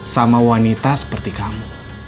sama wanita seperti kamu